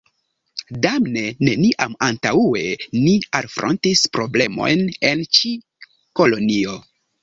Damne, neniam antaŭe ni alfrontis problemojn en ĉi kolonio.